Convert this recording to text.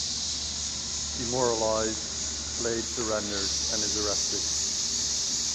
Demoralized, Blade surrenders and is arrested.